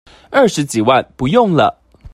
二十幾萬不用了